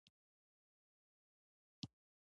چوپتیا، د ستر شخصیت راز دی.